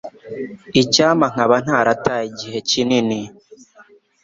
Icyampa nkaba ntarataye igihe kinini